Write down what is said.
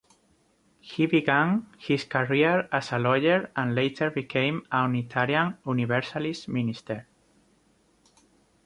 He began his career as a lawyer and later became a Unitarian Universalist minister.